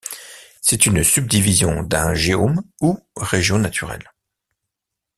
C'est une subdivision d'un géome ou région naturelle.